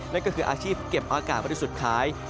นั่นก็คืออาชีพเก็บอากาศบริสุทธิ์ขาย